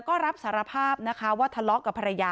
ไปโบกรถจักรยานยนต์ของชาวอายุขวบกว่าเองนะคะ